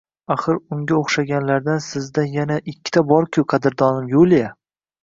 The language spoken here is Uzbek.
Axir unga oʻxshaganlardan sizda yana ikkita bor-ku, qadrdonim Yuliya…